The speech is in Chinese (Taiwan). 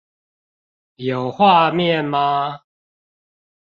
有畫面嗎